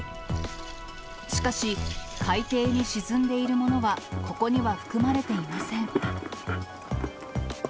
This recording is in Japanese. しかし、海底に沈んでいるものはここには含まれていません。